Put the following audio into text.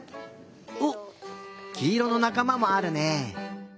おっきいろのなかまもあるね。